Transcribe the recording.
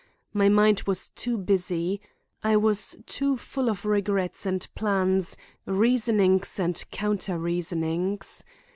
My mind was too busy. I was too full of regrets and plans, reasonings and counter reasonings.